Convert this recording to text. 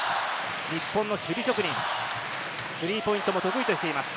日本の守備職人、スリーポイントも得意としています。